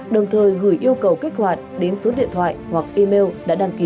đồng thời gửi yêu cầu kích hoạt đến số điện thoại hoặc email đã đăng ký